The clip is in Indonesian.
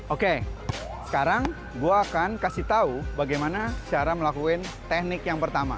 oke sekarang gue akan kasih tahu bagaimana cara melakukan teknik yang pertama